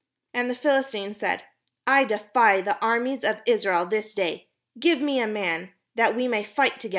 And the Philistine said: "I defy the armies of Israel this day; give me a man, that we may fight together."